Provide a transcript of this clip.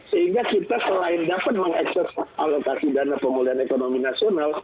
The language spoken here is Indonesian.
sehingga kita selain dapat mengakses alokasi dana pemulihan ekonomi nasional